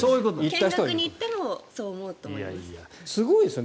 見学に行ったらそう思うと思います。